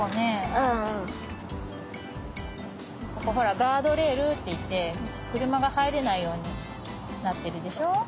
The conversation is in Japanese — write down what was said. ここほらガードレールっていってくるまがはいれないようになってるでしょ。